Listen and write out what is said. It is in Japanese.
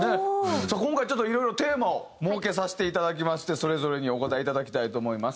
今回いろいろテーマを設けさせていただきましてそれぞれにお答えいただきたいと思います。